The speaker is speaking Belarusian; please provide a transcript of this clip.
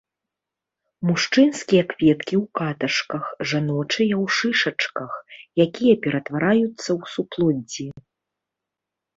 Мужчынскія кветкі ў каташках, жаночыя ў шышачках, якія ператвараюцца ў суплоддзі.